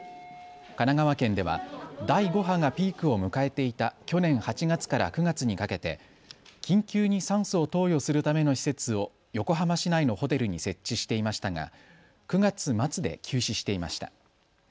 神奈川県では第５波がピークを迎えていた去年８月から９月にかけて、緊急に酸素を投与するための施設を横浜市内のホテルに設置していましたが９月末で休止していました。